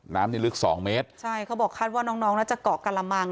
น้ำนี่ลึกสองเมตรใช่เขาบอกคาดว่าน้องน้องน่าจะเกาะกะละมัง